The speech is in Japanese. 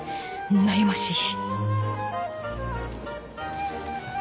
悩ましい！